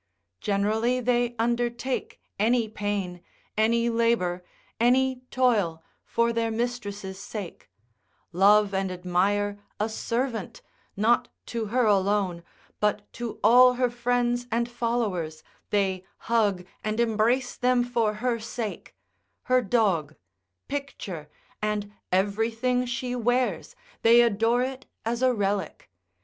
Generally they undertake any pain, any labour, any toil, for their mistress' sake, love and admire a servant, not to her alone, but to all her friends and followers, they hug and embrace them for her sake; her dog, picture, and everything she wears, they adore it as a relic.